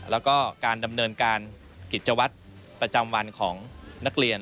แล้วก็การดำเนินการกิจวัตรประจำวันของนักเรียน